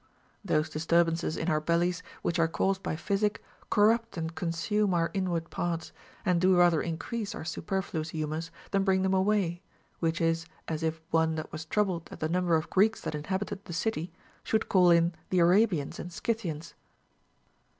Those disturbances in our bellies which are caused by physic corrupt and consume our inward parts, and do rather increase our superfluous humors than bring them away ; which is as if one that was troubled at the number of Greeks that inhabited the city, should call in the Arabians and Scythians.